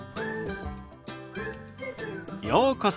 ようこそ。